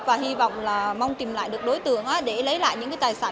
và hy vọng là mong tìm lại được đối tượng để lấy lại những cái tài sản